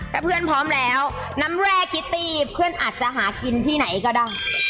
ถ้าเพื่อนพร้อมแล้วน้ำแร่คิตตี้เพื่อนอาจจะหากินที่ไหนก็ได้